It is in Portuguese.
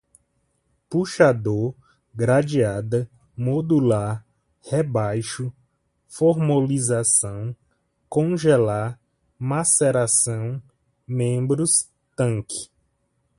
puxador, gradeada, modular, rebaixo, formolização, congelar, maceração, membros, tanque